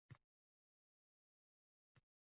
Boks: Belgradda tarix takrorlanadimi?ng